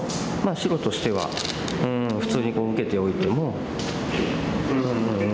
白としては普通に受けておいてもうん。